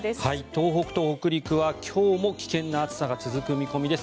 東北と北陸は今日も危険な暑さが続く見込みです。